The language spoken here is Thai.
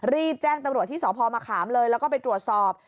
รีบแจ้งตำรวจที่สพมะขามเลยแล้วก็ไปตรวจสอบ